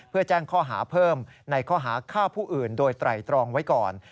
เพื่อแจ้งข้อหาเพิ่มในข้อหาฆ่าผู้อื่นโดยไตรตรองไว้ก่อน